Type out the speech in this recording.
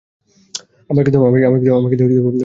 আমায় কিন্তু পড়ে শোনাতে হবে।